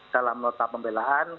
dalam nota pembelahan